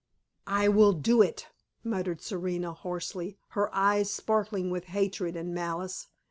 "I will do it!" muttered Serena, hoarsely, her eyes sparkling with hatred and malice.